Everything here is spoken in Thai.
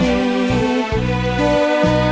เพลงที่หนึ่ง